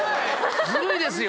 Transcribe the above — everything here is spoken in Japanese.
ずるいですよ！